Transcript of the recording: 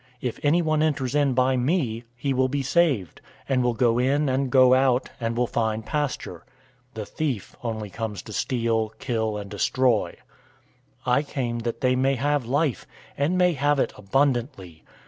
If anyone enters in by me, he will be saved, and will go in and go out, and will find pasture. 010:010 The thief only comes to steal, kill, and destroy. I came that they may have life, and may have it abundantly.